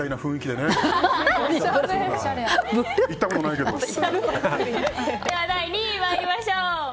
では２位に参りましょう。